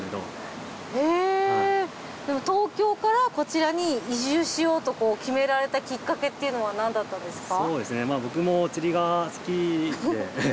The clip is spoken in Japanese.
でも東京からこちらに移住しようと決められたきっかけっていうのはなんだったんですか？